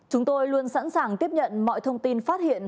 chúng tôi luôn sẵn sàng tiếp nhận mọi thông tin phát hiện